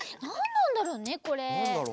なんだろうね？